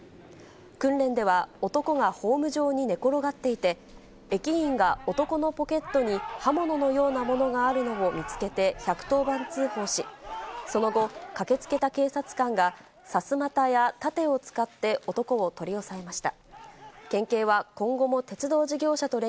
訓練では男がホーム上に寝転がっていて、駅員が男のポケットに刃物のようなものがあるのを見つけて１１０番通報し、その後、駆けつけた警察官がさすまたや盾を使って男を取り押さえました。